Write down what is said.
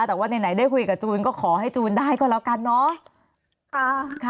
แต่ว่าไหนได้คุยกับจูนก็ขอให้จูนได้ก็แล้วกันเนาะ